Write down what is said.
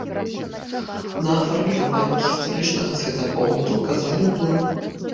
На фарміраванне гістарычнага светапогляду аказалі ўплыў.